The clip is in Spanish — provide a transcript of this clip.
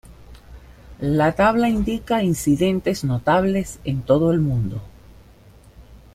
La tabla indica incidentes notables en todo el mundo.